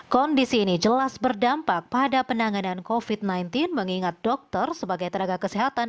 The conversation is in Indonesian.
kondisi ini jelas berdampak pada penanganan covid sembilan belas mengingat dokter sebagai tenaga kesehatan